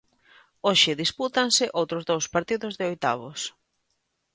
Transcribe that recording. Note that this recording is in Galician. Hoxe dispútanse outros dous partidos de oitavos.